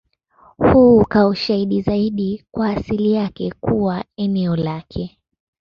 Huu ukawa ushahidi zaidi wa asili yake kuwa eneo lake.